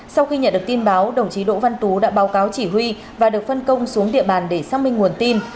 sau khi nhận được tin báo đồng chí đỗ văn tú đã báo cáo chỉ huy và được phân công xuống địa bàn để xác minh nguồn tin